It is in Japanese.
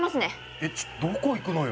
えっちょっどこ行くのよ